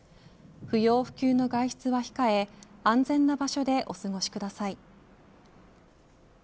不要不急の外出は控え安全な場所でおすごしください。